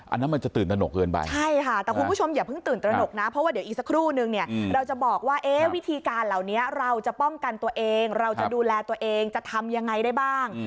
อันนั้นมันจะตื่นตนกเกินไปใช่ค่ะแต่คุณผู้ชมอย่าเพิ่งตื่นตระหนกนะเพราะว่าเดี๋ยวอีกสักครู่นึงเนี่ยเราจะบอกว่าเอ๊ะวิธีการเหล่านี้เราจะป้องกันตัวเองเราจะดูแลตัวเองจะทำยังไงได้บ้าง